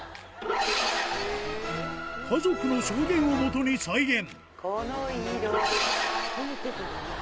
家族の証言をもとに再現